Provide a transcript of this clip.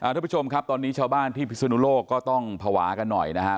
ทุกผู้ชมครับตอนนี้ชาวบ้านที่พิศนุโลกก็ต้องภาวะกันหน่อยนะครับ